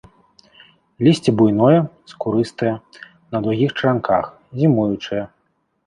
Лісце буйное, скурыстае, на даўгіх чаранках, зімуючае.